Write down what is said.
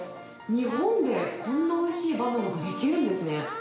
日本でこんなおいしいバナナが出来るんですね。